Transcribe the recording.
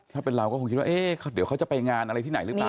ถ้าเป็นเราก็คงคิดว่าเดี๋ยวเขาจะไปงานอะไรที่ไหนหรือเปล่า